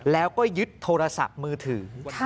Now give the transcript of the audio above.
แล้วก็ยึดโทรศัพท์มือถือ